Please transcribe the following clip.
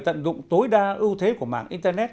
tận dụng tối đa ưu thế của mạng internet